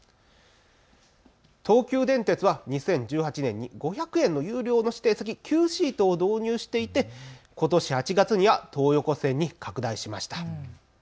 東急電鉄は２０１８年に５００円の有料の指定席、Ｑシートを導入していてことし８月には東横線に拡大しました。